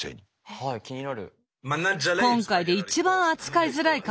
はい気になる。